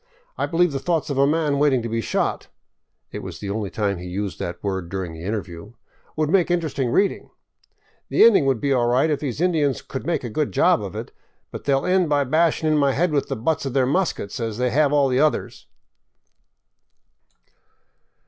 I believe the thoughts of a man waiting to be shot "— it was the only time he used that word during the interview —" would make interesting reading. The ending would be all right if these Indians could make a good job of it, but they '11 end by bashing in my head with the butts of their muskets, as they have all the others."